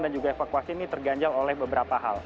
juga evakuasi ini terganjal oleh beberapa hal